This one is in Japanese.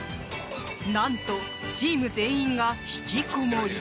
何とチーム全員がひきこもり。